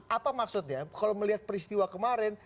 apa maksudnya kalau melihat peristiwa kemarin